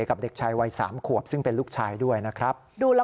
กับเด็กชายวัย๓ขวบซึ่งเป็นลูกชายด้วยนะครับ